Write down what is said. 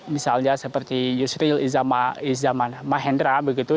misalnya seperti yusril izaman mahendra begitu